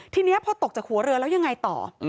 ทีนี้พอตกจากหัวเรือแล้วยังไงต่อ